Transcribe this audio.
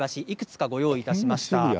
いくつかご用意いたしました。